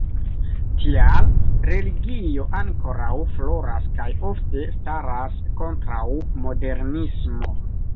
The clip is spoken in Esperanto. Tial religio ankoraŭ floras kaj ofte staras kontraŭ modernismo.